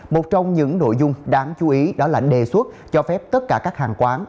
một trong những nội dung đáng chú ý đó là đề xuất cho phép tất cả các hàng quán